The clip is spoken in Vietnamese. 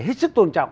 hết sức tôn trọng